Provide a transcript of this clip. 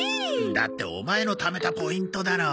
だってオマエのためたポイントだろ。